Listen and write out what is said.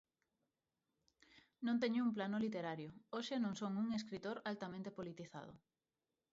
Non teño un plano literario, hoxe non son un escritor altamente politizado.